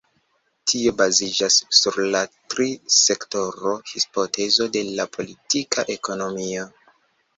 Tio baziĝas sur la tri-sektoro-hipotezo de la politika ekonomio.